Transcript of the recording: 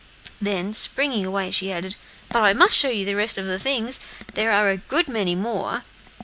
Then springing away, she added: "But I must show you the rest of the things; there are a good many more."